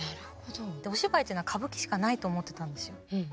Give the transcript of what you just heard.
お芝居っていうのは歌舞伎しかないと思ってたんですよ。